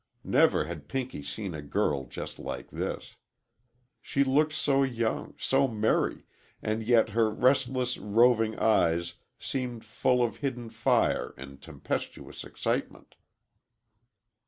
Never had Pinky seen a girl just like this. She looked so young, so merry, and yet her restless, roving eyes seemed full of hidden fire and tempestuous excitement.